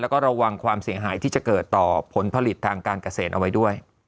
แล้วก็ระวังความเสียหายที่จะเกิดต่อผลผลิตทางการเกษตรเอาไว้ด้วย